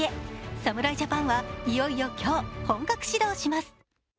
侍ジャパンはいよいよ今日、本格始動します。